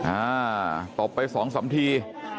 อ่าตบไปสองสามที